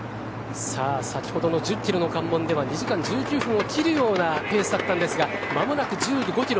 先ほどの１０キロの関門では２時間１９分を切るようなペースだったんですが間もなく１５キロ。